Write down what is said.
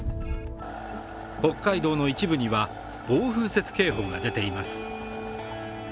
北海道の一部には暴風雪警報が出ています。